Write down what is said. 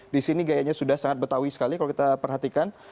di sini gayanya sudah sangat betawi sekali kalau kita perhatikan